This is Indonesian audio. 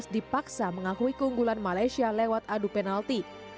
dipaksa mengakui keunggulan malaysia lewat adu penalti